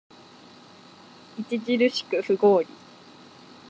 著しく不合理